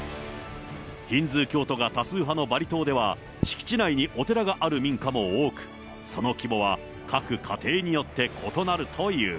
ヒンズー教徒が多数派のバリ島では敷地内にお寺がある民家も多く、その規模は各家庭によって異なるという。